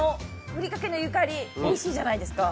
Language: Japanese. ふりかけの、あのゆかりおいしいじゃないですか。